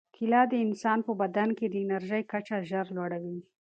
کیله د انسان په بدن کې د انرژۍ کچه ژر لوړوي.